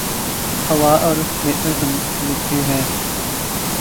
ہوا کا رخ بہتر سمجھتے ہیں۔